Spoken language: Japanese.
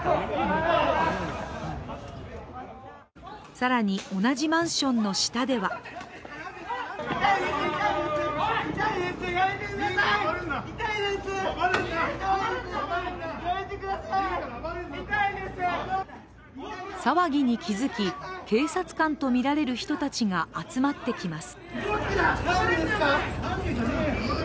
更に同じマンションの下では騒ぎに気づき、警察官とみられる人たちが集まってきます。